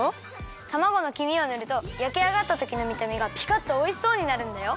たまごの黄身をぬるとやきあがったときのみためがピカッとおいしそうになるんだよ。